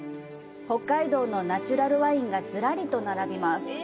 北海道のナチュラルワインがずらりと並びます。